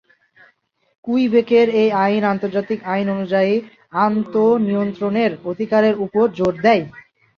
কুইবেকের এই আইন আন্তর্জাতিক আইন অনুযায়ী আত্মনিয়ন্ত্রণের অধিকারের উপর জোর দেয়।